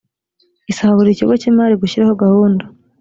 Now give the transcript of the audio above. isaba buri kigo cy imari gushyiraho gahunda